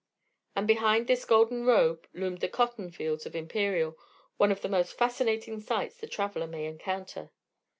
And behind this golden robe loomed the cotton fields of Imperial, one of the most fascinating sights the traveler may encounter.